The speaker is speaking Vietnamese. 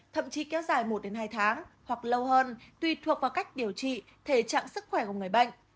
thậm chí kéo dài một hai tháng hoặc lâu hơn tùy thuộc vào cách điều trị thể trạng sức khỏe của người bệnh